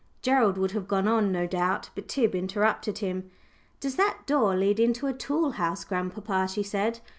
Gerald would have gone on, no doubt, but Tib interrupted him. "Does that door lead into a tool house, grandpapa?" she said.